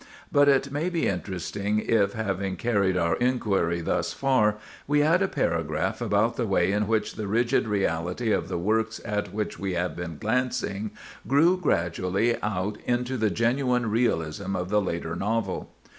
But it may be interesting if, having carried our inquiry thus far, we add a paragraph about the way in which the rigid reality of the works at which we have been glancing grew gradually out into the genuine realism of the later novel.